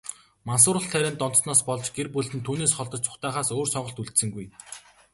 Мансууруулах тарианд донтсоноос болж, гэр бүлд нь түүнээс холдож, зугтаахаас өөр сонголт үлдсэнгүй.